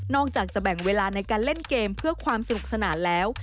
อกจากจะแบ่งเวลาในการเล่นเกมเพื่อความสนุกสนานแล้ว